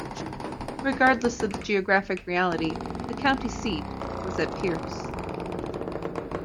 Regardless of the geographic reality, the county seat was at Pierce.